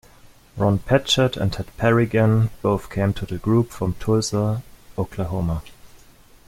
Ron Padgett and Ted Berrigan both came to the group from Tulsa, Oklahoma.